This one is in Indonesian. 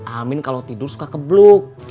amin kalau tidur suka kebluk